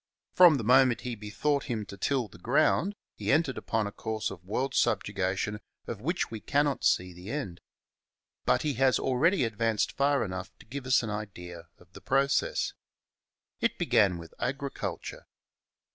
From the moment he bethought him to till the ground, he entered upon a course of world subjugation of which we cannot foresee the end ; but he has already advanced far enough to give us an idea of the process. It began with agriculture.